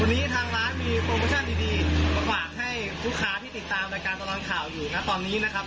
วันนี้ทางร้านมีโปรโมชั่นดีมาฝากให้ลูกค้าที่ติดตามรายการตลอดข่าวอยู่นะตอนนี้นะครับ